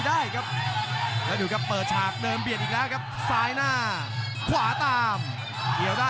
อ้าวแข้งขวาเกี่ยว